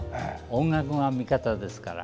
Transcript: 音楽は味方ですから。